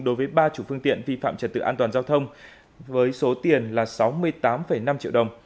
đối với ba chủ phương tiện vi phạm trật tự an toàn giao thông với số tiền là sáu mươi tám năm triệu đồng